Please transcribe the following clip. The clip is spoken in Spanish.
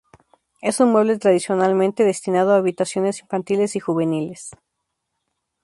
Es un mueble tradicionalmente destinado a habitaciones infantiles y juveniles.